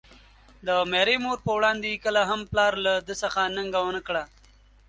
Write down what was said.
د ميرې مور په وړاندې يې کله هم پلار له ده څخه ننګه ونکړه.